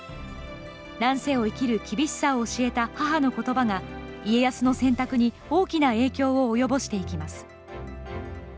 乱世を生きる厳しさを教えた母のことばが、家康の選択に大きな影響を及ぼしていきます。